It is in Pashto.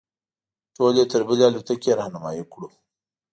ټول یې تر بلې الوتکې رهنمایي کړو.